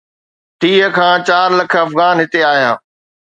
ٽيهه کان چار لک افغان هتي آيا.